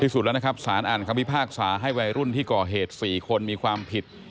สุดแล้วนะครับสารอ่านคำพิพากษาให้วัยรุ่นที่ก่อเหตุ๔คนมีความผิด